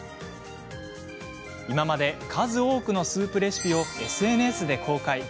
今まで数多くのスープレシピをＳＮＳで公開。